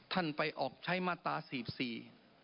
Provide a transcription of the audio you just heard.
ท่านไปออกใช้มาตราสีบสี่